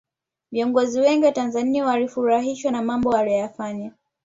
viongozi wengi wa tanzania walifurahishwa na mambo aliyoyafanya